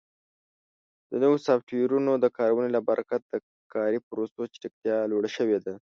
د نوو سافټویرونو د کارونې له برکت د کاري پروسو چټکتیا لوړه شوې ده.